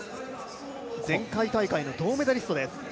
前回大会の銅メダリストです。